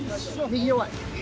右弱い。